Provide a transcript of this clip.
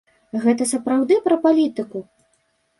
Гэта сапраўды пра палітыку?